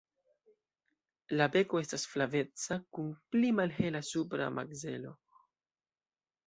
La beko estas flaveca kun pli malhela supra makzelo.